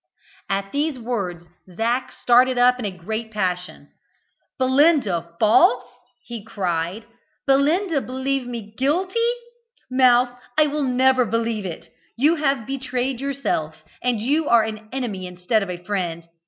At these words Zac started up in a great passion. "Belinda false!" he cried. "Belinda believe me guilty! Mouse, I will never believe it! You have betrayed yourself, and are an enemy instead of a friend.